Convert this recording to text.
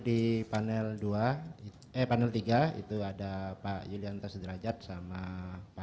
di panel dua eh panel tiga itu ada pak yulianto sederajat sama pak